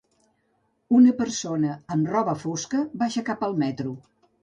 Una persona amb roba fosca baixa cap al metro.